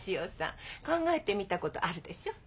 考えてみたことあるでしょ？